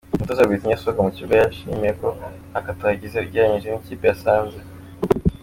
Umutoza Robertinho asohoka mu kibuga, yashimiwe ko ntako atagize ugereranyije n’ikipe yasanze